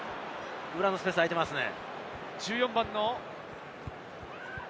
裏のスペースが空いていますね。